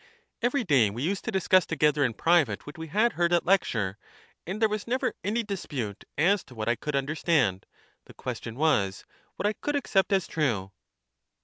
Every day we used to discuss together in private what we had heard at lecture, and there was never any dispute as to what I could understand ; the question was, what I could accept as true."